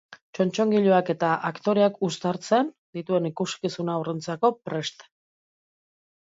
Txotxongiloak eta aktoreak uztartzen dituen ikuskizuna haurrentzako prest.